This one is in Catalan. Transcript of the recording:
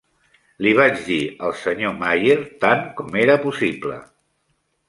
Li vaig dir al Sr. Mayer tan com era possible.